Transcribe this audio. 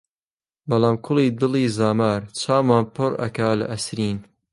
بەڵام کوڵی دڵی زامار، چاومان پڕ ئەکا لە ئەسرین!